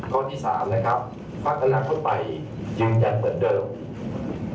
ข้อที่สามนะครับพักอนาคตใหม่ยืนยันเหมือนเดิม